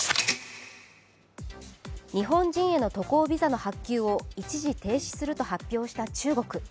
日本人への渡航ビザの発給を一時停止すると発表した中国。